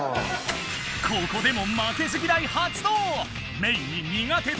ここでも負けず嫌い発動！